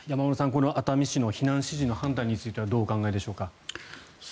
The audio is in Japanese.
この熱海市の避難指示についてはどうお考えでしょうか。